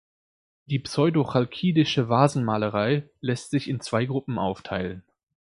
Die Pseudo-Chalkidische Vasenmalerei lässt sich in zwei Gruppen aufteilen.